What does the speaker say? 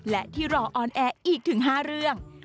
และที่รอออนแอร์อีกถึง๕เรื่อง